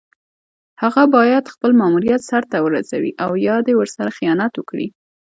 هغه باید خپل ماموریت سر ته ورسوي او یا دې ورسره خیانت وکړي.